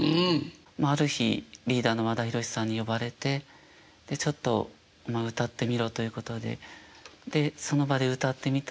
ある日リーダーの和田弘さんに呼ばれてちょっと「歌ってみろ」ということでその場で歌ってみたんですけれども